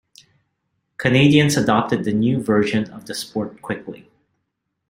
Canadians adopted the new version of the sport quickly.